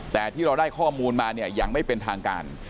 แต่ที่เราได้ข้อมูลมาเนี่ยยังไม่เป็นทางการ